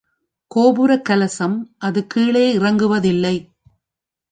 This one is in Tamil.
கோபுரக் கலசம் அது கீழே இறங்குவதில்லை.